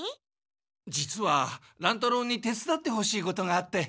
実は乱太郎に手つだってほしいことがあって。